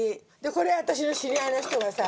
これ私の知り合いの人がさ